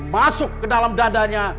masuk ke dalam dadanya